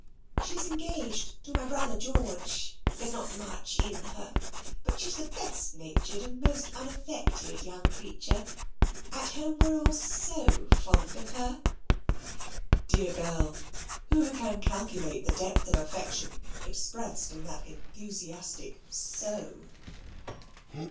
"She's engaged to my brother George; there's not much in her, but she's the best natured and most unaffected young creature: at home we're all so fond of her." Dear girl! who can calculate the depth of affection expressed in that enthusiastic SO?